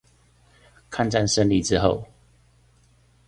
抗戰勝利之後